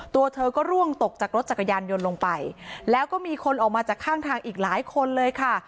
ตัวเธอก็ร่วงตกจากรถจักรยานยนต์ลงไปแล้วก็มีคนออกมาจากข้างทางอีกหลายคนเลยค่ะ